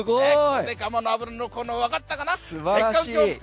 ガマの油の効能分かったかな？